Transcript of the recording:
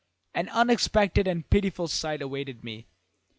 An unexpected and pitiful sight awaited me.